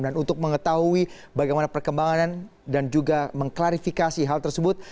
dan untuk mengetahui bagaimana perkembangan dan juga mengklarifikasi hal tersebut